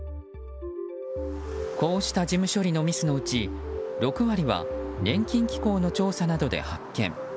こうした事務処理のミスのうち６割は年金機構の調査などで発見。